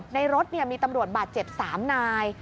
ในรถมีตำรวจบาดเจ็บ๓นาย